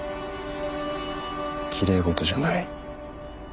きれい事じゃない。